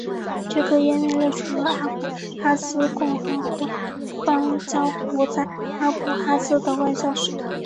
这个页面列出了阿布哈兹共和国邦交国在阿布哈兹的外交使团。